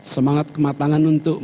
semangat kematangan untuk